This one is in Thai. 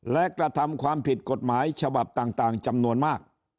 และกระทำความผิดกฎหมายฉบับต่างจำนวนมาก